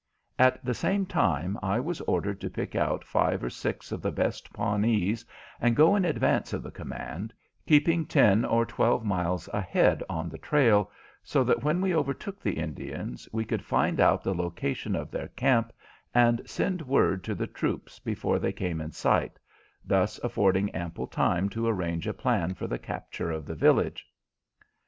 At the same time I was ordered to pick out five or six of the best Pawnees and go in advance of the command, keeping ten or twelve miles ahead on the trail, so that when we overtook the Indians we could find out the location of their camp, and send word to the troops before they came in sight, thus affording ample time to arrange a plan for the capture of the village.